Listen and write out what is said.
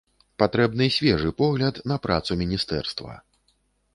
Патрэбны свежы погляд на працу міністэрства.